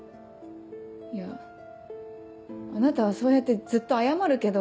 いやあなたはそうやってずっと謝るけど。